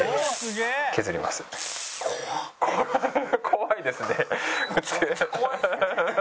怖いですね。